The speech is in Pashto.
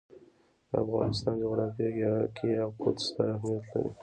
د افغانستان جغرافیه کې یاقوت ستر اهمیت لري.